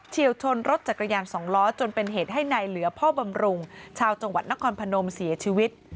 วชนรถจักรยานสองล้อจนเป็นเหตุให้นายเหลือพ่อบำรุงชาวจังหวัดนครพนมเสียชีวิต